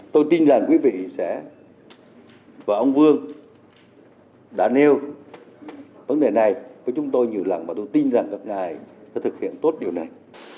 tôi tin rằng quý vị sẽ và ông vương đã nêu vấn đề này với chúng tôi nhiều lần và tôi tin rằng các ngài sẽ thực hiện tốt điều này